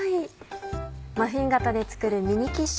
マフィン型で作る「ミニキッシュ」